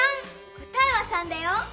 こたえは３だよ。